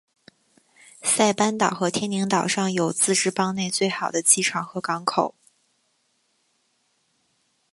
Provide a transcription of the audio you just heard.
塞班岛和天宁岛上有自治邦内最好的机场和港口。